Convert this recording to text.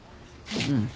うん。